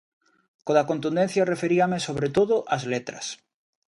Co da contundencia referíame, sobre todo, ás letras.